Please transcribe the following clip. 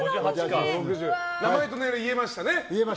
名前と年齢言えましたね。